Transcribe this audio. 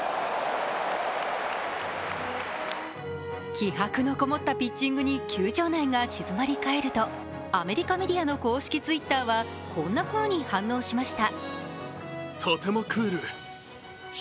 気迫のこもったピッチングに球場内が静まり返ると、アメリカメディアの公式Ｔｗｉｔｔｅｒはこんなふうに反応しました。